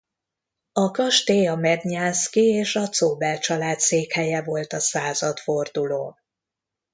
A kastély a Mednyánszky és a Czóbel család székhelye volt a századfordulón.